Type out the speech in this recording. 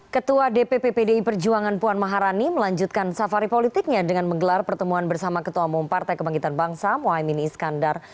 ketua dpp pdi perjuangan puan maharani melanjutkan safari politiknya dengan menggelar pertemuan bersama ketua umum partai kebangkitan bangsa mohaimin iskandar